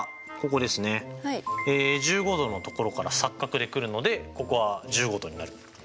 １５°の所から錯角で来るのでここは１５°になる。